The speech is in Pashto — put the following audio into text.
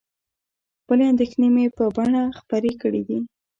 خپلې اندېښنې مې په بڼه خپرې کړي دي.